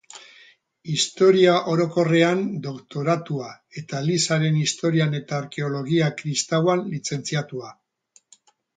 Historia Orokorrean doktoratua eta Elizaren Historian eta Arkeologia Kristauan lizentziatua.